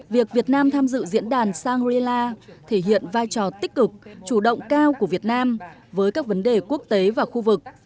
việc việt nam tham dự diễn đàn shangri la thể hiện vai trò tích cực chủ động cao của việt nam với các vấn đề quốc tế và khu vực